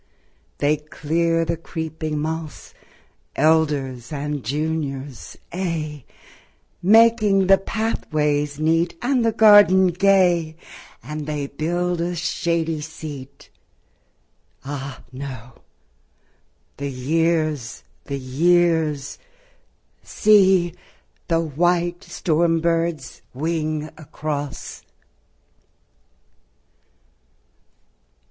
They clear the creeping mossŌĆö Elders and juniorsŌĆöaye, Making the pathways neat And the garden gay; And they build a shady seat ... Ah, no; the years, the years; See, the white storm birds wing across!